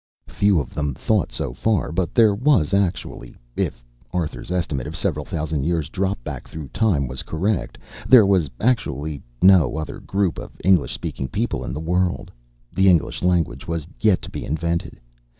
Few of them thought so far, but there was actually if Arthur's estimate of several thousand years' drop back through time was correct there was actually no other group of English speaking people in the world. The English language was yet to be invented.